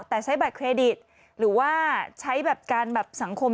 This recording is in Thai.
แต่ใช้บัตรเครดิตหรือว่าใช้แบบการแบบสังคม